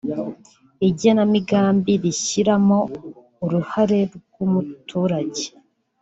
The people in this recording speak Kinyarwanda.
igenamigambi rishyiramo uruhare rw’umuturage